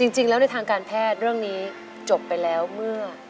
จริงแล้วในทางการแพทย์เรื่องนี้จบไปแล้วเมื่อ